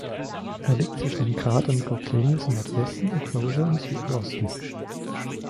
Er liegt zwischen den Kratern Goclenius im Nordwesten und Crozier im Südosten.